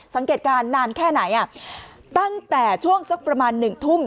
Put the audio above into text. สังเกตการณ์นานแค่ไหนอ่ะตั้งแต่ช่วงสักประมาณหนึ่งทุ่ม